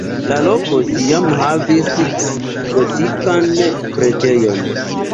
La loko tiam havis gotikan preĝejon.